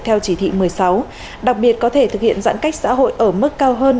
theo chỉ thị một mươi sáu đặc biệt có thể thực hiện giãn cách xã hội ở mức cao hơn